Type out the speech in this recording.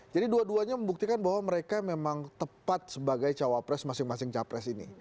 jadi dua duanya membuktikan bahwa mereka memang tepat sebagai cawa pres masing masing cawa pres ini